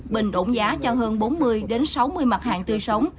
bình ổn giá cho hơn bốn mươi sáu mươi mặt hàng tươi sống